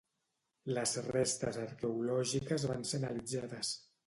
Les restes arqueològiques van ser analitzades.